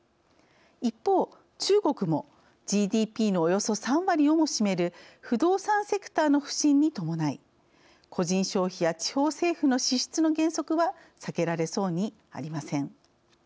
一方中国もＧＤＰのおよそ３割をも占める不動産セクターの不振に伴い個人消費や地方政府の支出の減速は避けられそうにありません。